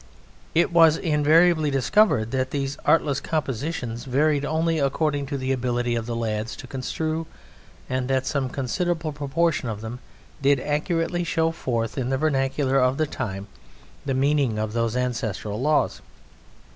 It was invariably discovered that these artless compositions varied only according to the ability of the lads to construe, and that some considerable proportion of them did accurately show forth in the vernacular of the time the meaning of those ancestral laws.